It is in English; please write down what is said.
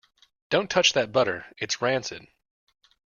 Don't touch that butter. It's rancid!